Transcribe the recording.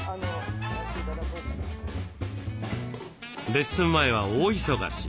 レッスン前は大忙し。